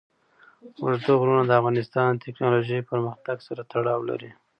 اوږده غرونه د افغانستان د تکنالوژۍ پرمختګ سره تړاو لري.